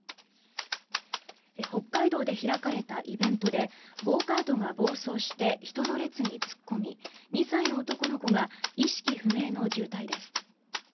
北海道で開かれたイベントでゴーカートが暴走して人の列に突っ込み２歳の男の子が意識不明の重体です。